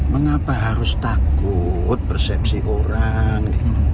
mengapa harus takut persepsi orang